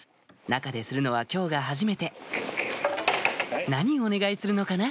中でするのは今日がはじめて何お願いするのかな？